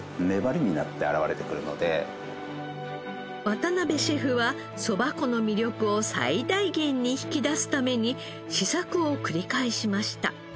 渡邊シェフはそば粉の魅力を最大限に引き出すために試作を繰り返しました。